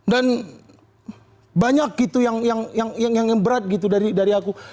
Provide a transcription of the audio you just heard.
dan banyak gitu yang berat gitu dari aku